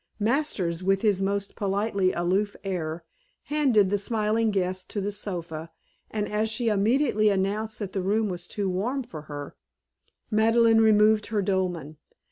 Masters, with his most politely aloof air, handed the smiling guest to the sofa, and as she immediately announced that the room was too warm for her, Madeleine removed her dolman.